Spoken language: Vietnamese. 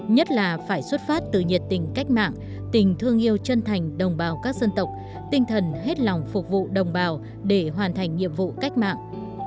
nhất là phải xuất phát từ nhiệt tình cách mạng tình thương yêu chân thành đồng bào các dân tộc tinh thần hết lòng phục vụ đồng bào để hoàn thành nhiệm vụ cách mạng